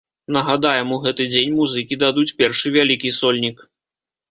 Нагадаем, у гэты дзень музыкі дадуць першы вялікі сольнік.